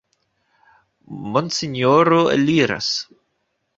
Monsinjoro eliras!